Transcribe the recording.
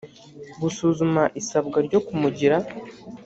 gusuzuma isabwa ryo kumugira